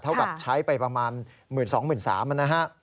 เท่าแบบใช้ไปประมาณ๑๒๐๐๐๑๓๐๐๐บาท